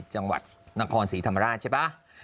จังหวัดนครศรีธรรมราชใช่ป่ะ